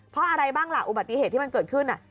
เพราะอะไรบ้างล่ะอุบัติเหตุที่มันเกิดขึ้น